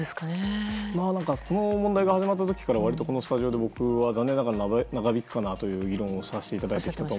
この問題が始まった時から割とこのスタジオで僕は残念ながら長引くかなと議論させていただいていましたが